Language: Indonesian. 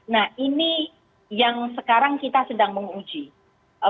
nah ini yang sekarang kita sedang menguji